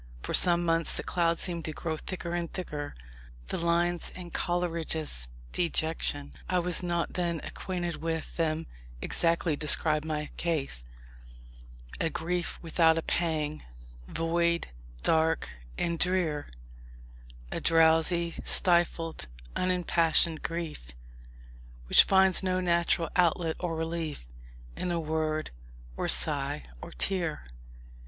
For some months the cloud seemed to grow thicker and thicker. The lines in Coleridge's Dejection I was not then acquainted with them exactly describe my case: "A grief without a pang, void, dark and drear, A drowsy, stifled, unimpassioned grief, Which finds no natural outlet or relief In word, or sigh, or tear."